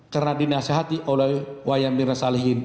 karena dinasihati oleh wayang mirna salehin